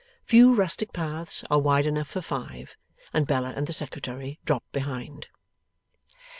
Few rustic paths are wide enough for five, and Bella and the Secretary dropped behind.